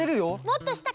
もっとした？